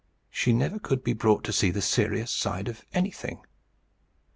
She never could be brought to see the serious side of anything.